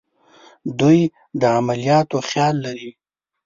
دوی د عملیاتو خیال لري.